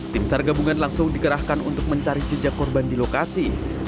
tim sar gabungan langsung dikerahkan untuk mencari jejak korban di lokasi